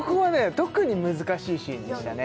特に難しいシーンでしたね